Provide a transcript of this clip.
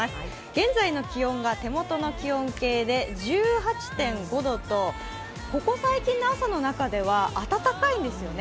現在の気温は手元の気温計で１８．５度とここ最近の朝の中では暖かいんですよね